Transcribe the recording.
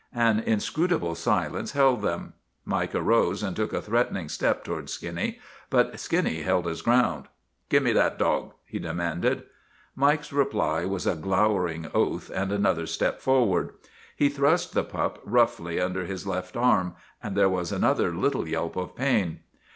An inscrutable silence held them. Mike arose and took a threatening step to ward Skinny, but Skinny held his ground. " Gimme that dog! " he demanded. Mike's reply was a glowering oath and another step forward. He thrust the pup roughly under his left arm, and there was another little yelp of pain.